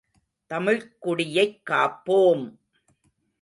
தமிழ்க் குடியைக் காப்போம்!